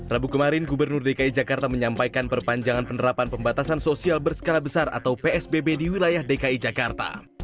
rabu kemarin gubernur dki jakarta menyampaikan perpanjangan penerapan pembatasan sosial berskala besar atau psbb di wilayah dki jakarta